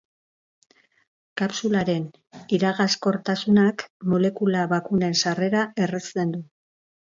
Kapsularen iragazkortasunak molekula bakunen sarrera errazten du.